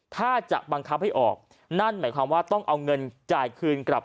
ถ้าจะบังคับให้ออกนั่นหมายความว่าต้องเอาเงินจ่ายคืนกลับ